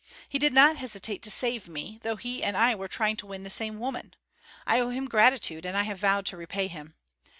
He did not hesitate to save me, though he and I were trying to win the same woman. I owe him gratitude, and I have vowed to repay him.